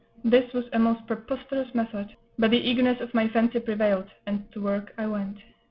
This was a most preposterous method; but the eagerness of my fancy prevailed, and to work I went.